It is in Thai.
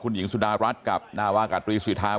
คุณหญิงสุดารัฐกับนาวากาศรีสุธาธิวารี